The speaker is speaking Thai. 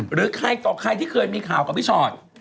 หรือใครต่อใครที่เคยมีข่าวกับพี่ชอต